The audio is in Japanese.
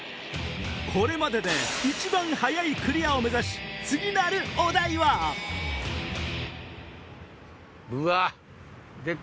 これまでで一番早いクリアを目指しうわっ！